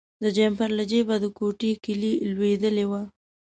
د جمپر له جیبه د کوټې کیلي لویدلې وه.